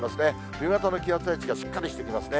冬型の気圧配置がしっかりしてきますね。